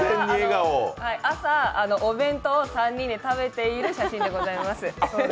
朝、お弁当を３人で食べている写真でございます。